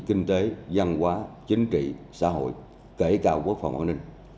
kinh tế văn hóa chính trị xã hội kể cả quốc phòng an ninh